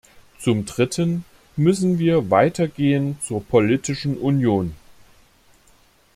Zum Dritten müssen wir weitergehen zur politischen Union.